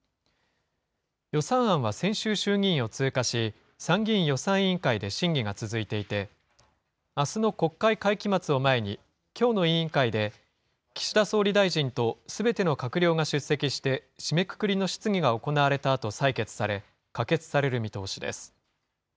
予算案は先週衆議院を通過し、参議院予算委員会で審議が続いていて、あすの国会会期末を前に、きょうの委員会で、岸田総理大臣とすべての閣僚が出席して締めくくりの質疑が行われたあと採決され、可決される見通しです。